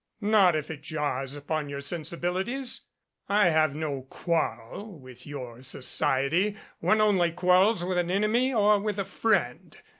"Not if it jars upon your sensibilities. I have no quarrel with your society. One only quarrels with an enemy or with a friend.